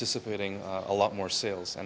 kita pasti mengharapkan banyak penjualan